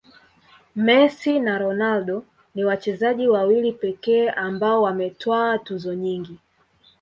messi na ronaldo ni wachezaji wawili pekee ambao wametwaa tuzo nyingi